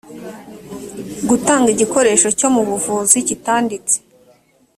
gutanga igikoresho cyo mu buvuzi kitanditse